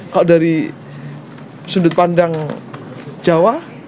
kalau dari sudut pandang jawa